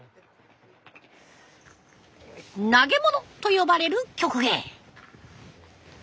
投げ物と呼ばれる曲芸。